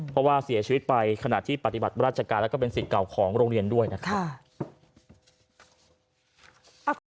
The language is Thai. เพราะว่าเสียชีวิตไปขณะที่ปฏิบัติราชการแล้วก็เป็นสิทธิ์เก่าของโรงเรียนด้วยนะครับ